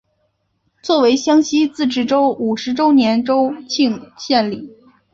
作为湘西自治州五十周年州庆献礼。